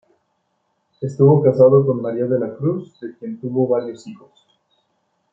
Estuvo casado con María de la Cruz, de quien tuvo varios hijos.